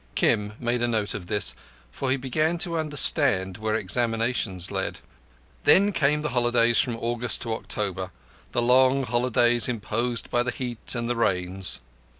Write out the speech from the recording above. Kim made a note of this, for he began to understand where examinations led. Then came the holidays from August to October—the long holidays imposed by the heat and the Rains.